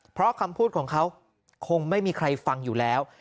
เพราะคำพูดของเขาคงไม่มีใครฟังอยู่แล้ว